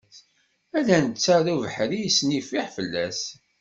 Ala netta d ubeḥri yesnifiḥ fell-as.